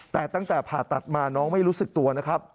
แต่ตั้งแต่ผ่าตัดมาน้องไม่รู้สึกตัวนะครับ